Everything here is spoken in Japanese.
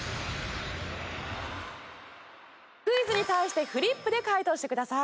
クイズに対してフリップで解答してください。